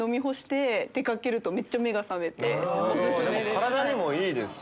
体にもいいですしね。